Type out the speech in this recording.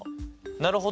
なるほど。